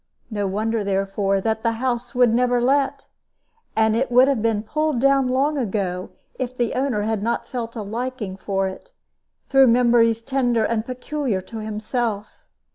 No wonder, therefore, that the house would never let; and it would have been pulled down long ago if the owner had not felt a liking for it, through memories tender and peculiar to himself.